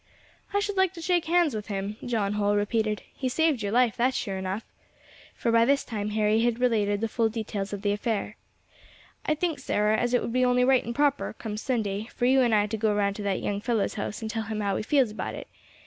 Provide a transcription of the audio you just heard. "I should like to shake hands with him," John Holl repeated; "he saved your life, that's sure enough" for by this time Harry had related the full details of the affair. "I think, Sarah, as it would be only right and proper, come Sunday, for you and I to go round to that young fellow's house and tell him how we feels about it.